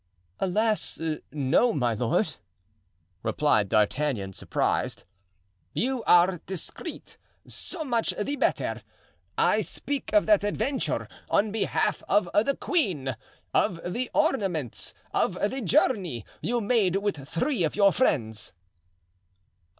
"Alas, no, my lord!" replied D'Artagnan, surprised. "You are discreet—so much the better. I speak of that adventure in behalf of the queen, of the ornaments, of the journey you made with three of your friends."